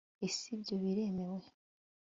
ese ibyo biremewe